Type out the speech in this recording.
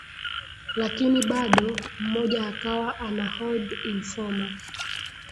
lakini bado mmoja akawa anahold informa